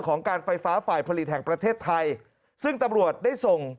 การไฟฟ้าฝ่ายผลิตแห่งประเทศไทยซึ่งตำรวจได้ส่ง